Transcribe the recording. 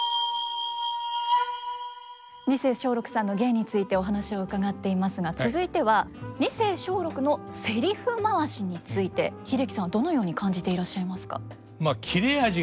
二世松緑さんの芸についてお話を伺っていますが続いては二世松緑のせりふ回しについて英樹さんはどのように感じていらっしゃいますか？